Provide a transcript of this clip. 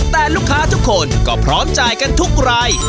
แต่ลูกค้าทุกคนก็พร้อมจ่ายกันทุกราย